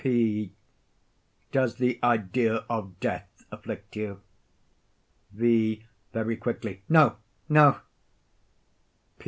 P. Does the idea of death afflict you? V. [Very quickly.] No—no!